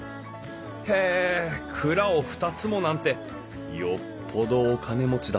へえ蔵を２つもなんてよっぽどお金持ちだったのかな？